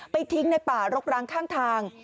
ทิ้งในป่ารกร้างข้างทาง